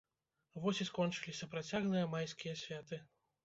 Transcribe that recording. Вось і скончыліся працяглыя майскія святы.